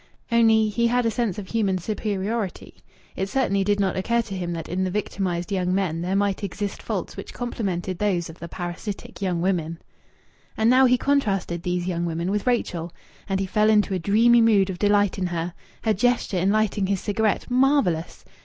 Only, he had a sense of human superiority. It certainly did not occur to him that in the victimized young men there might exist faults which complemented those of the parasitic young women. And now he contrasted these young women with Rachel! And he fell into a dreamy mood of delight in her.... Her gesture in lighting his cigarette! Marvellous!